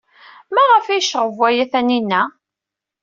Maɣef ay yecɣeb waya Taninna?